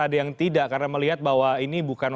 ada yang tidak karena melihat bahwa ini bukan